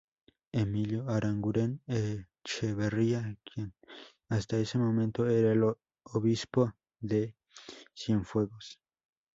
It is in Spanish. Emilio Aranguren Echeverría, quien hasta ese momento era el Obispo de Cienfuegos.